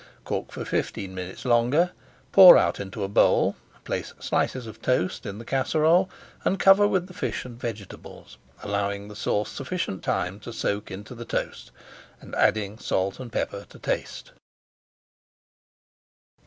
Cook for fifteen minutes longer, pour out into a bowl, place slices of toast in the casserole, and cover with the fish and vegetables, allowing the sauce sufficient time to soak into the toast, and adding salt and pepper to taste.